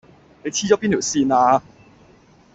你黐咗邊條線呀